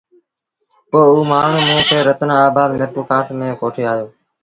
پوء او مآڻهوٚݩ موݩ کي رتنآن آبآد ميرپورکآس ميݩ ڪوٺي آيو۔